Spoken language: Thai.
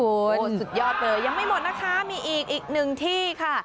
โอ้โหสุดยอดเลยยังไม่หมดนะคะมีอีกหนึ่งที่ค่ะ